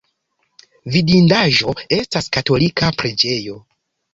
Vidindaĵo estas katolika preĝejo.